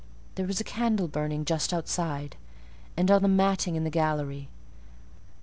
There was a candle burning just outside, and on the matting in the gallery.